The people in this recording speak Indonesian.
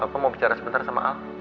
aku mau bicara sebentar sama al